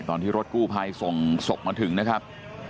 ตอนที่รถกู้ภัยส่งศพมาถึงนะครับ